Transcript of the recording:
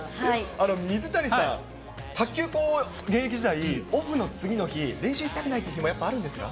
水谷さん、卓球、現役時代、オフの次の日、練習行きたくないという日もあるんですか？